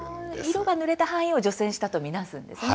色が塗れた範囲を除染したと見なすんですね。